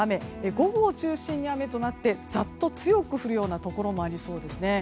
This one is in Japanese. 午後を中心に雨となってざっと強く降るようなところもありそうですね。